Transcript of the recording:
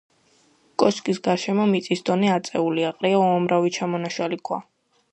კოშკის გარშემო მიწის დონე აწეულია, ყრია უამრავი ჩამონაშალი ქვა.